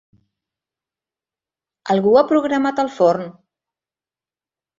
Algú ha programat el forn?